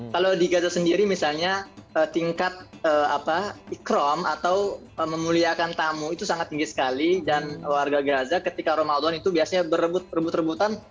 kalau di gaza sendiri misalnya tingkat ikram atau memuliakan tamu itu sangat tinggi sekali dan warga gaza ketika ramadan itu biasanya berebut rebut rebutan